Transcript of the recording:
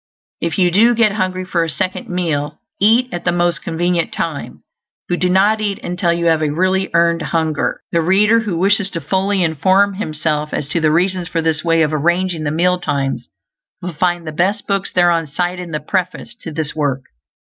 If you do get hungry for a second meal, eat at the most convenient time; but do not eat until you have a really earned hunger. The reader who wishes to fully inform himself as to the reasons for this way of arranging the mealtimes will find the best books thereon cited in the preface to this work.